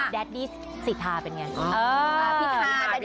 แดดดี้สิทาเป็นอย่างไร